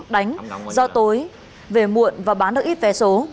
đánh do tối về muộn và bán được ít vé số